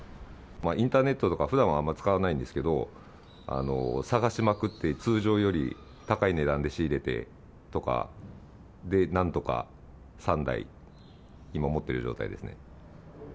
インターネットとか、ふだんはあんまり使わないんですけど、探しまくって通常より高い値段で仕入れてとかで、なんとか３台、今持っている状態ですね。